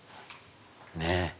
ねえ。